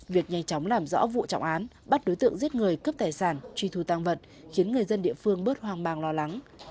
việc nhanh chóng làm rõ vụ trọng án bắt đối tượng giết người cướp tài sản truy thu tăng vật khiến người dân địa phương bớt hoang mang lo lắng